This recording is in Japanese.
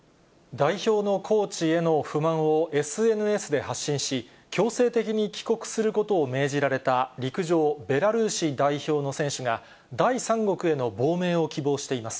代表のコーチへの不満をＳＮＳで発信し、強制的に帰国することを命じられた、陸上、ベラルーシ代表の選手が、第三国への亡命を希望しています。